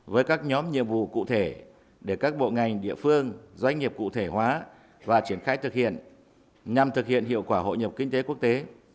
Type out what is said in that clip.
với các nhóm nhiệm vụ cụ thể để các bộ ngành địa phương doanh nghiệp cụ thể hóa và triển khai thực hiện nhằm thực hiện hiệu quả hội nhập kinh tế quốc tế